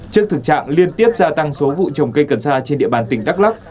trước thực trạng liên tiếp gia tăng số vụ trồng cây cần xa trên địa bàn tỉnh đắk lắk